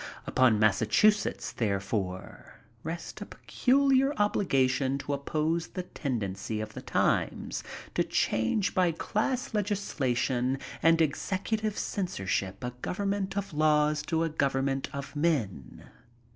* Upon Massachusetts, therefore, rests a peculiar obligation to oppose the tendency of the times to change by class legislation and executive censorship a government of laws to a government of men.